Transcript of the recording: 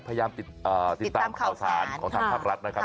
พยายามติดตามของทางเภาซาญของทางทางภาพรัฐนะครับ